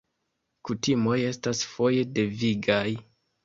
Kutimoj estas foje devigaj.